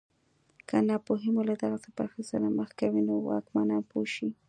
که ناپوهي مو له دغسې برخلیک سره مخ کوي نو واکمنان پوه شي.